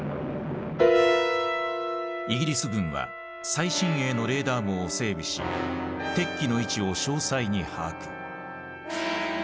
イギリス軍は最新鋭のレーダー網を整備し敵機の位置を詳細に把握。